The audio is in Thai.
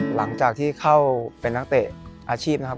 หลังจากที่เข้าเป็นนักเตะอาชีพนะครับ